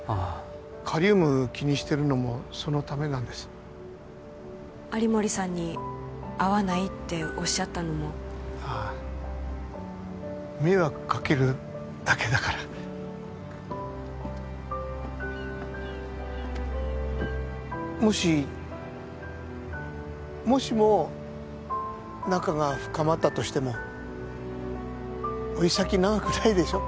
カリウム気にしてるのもそのためなんです有森さんに会わないっておっしゃったのもああ迷惑かけるだけだからもしもしも仲が深まったとしても老い先長くないでしょ